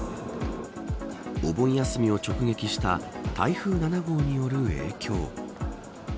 お盆休みを直撃した台風７号による影響。